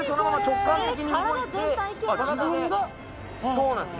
そうなんです。